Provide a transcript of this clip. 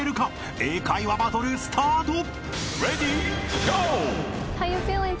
［英会話バトルスタート！］